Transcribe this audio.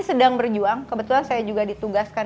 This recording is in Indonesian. sedang berjuang kebetulan saya juga ditugaskan